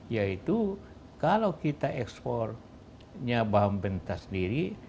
yaitu kalau kita ekspornya bahan mentah sendiri